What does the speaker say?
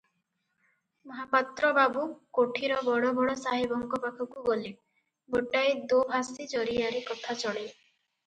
ମହାପାତ୍ର ବାବୁ କୋଠିର ବଡ଼ ବଡ଼ ସାହେବଙ୍କ ପାଖକୁ ଗଲେ, ଗୋଟାଏ ଦୋଭାଷୀ ଜରିଆରେ କଥା ଚଳେ ।